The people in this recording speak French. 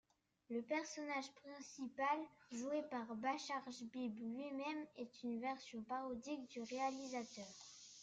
Le personnage principal, joué par Bashar Shbib lui-même, est une version parodique du réalisateur.